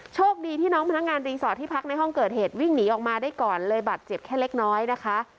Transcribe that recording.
โชคดีที่น้องพนักงานรีสอร์ทที่พักในห้องเกิดเหตุวิ่งหนีออกมาได้ก่อนเลยบัตรเจ็บแค่เล็กน้อยนะคะ